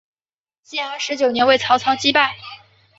建安十九年为曹操击败。